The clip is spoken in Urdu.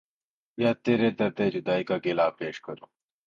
یا ترے درد جدائی کا گلا پیش کروں